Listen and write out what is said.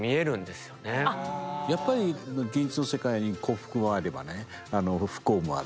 やっぱり芸術の世界に幸福もあればね不幸もある。